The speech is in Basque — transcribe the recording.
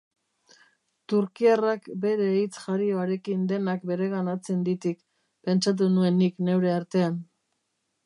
Turkiarrak bere hitz-jarioarekin denak bereganatzen ditik, pentsatu nuen nik neure artean.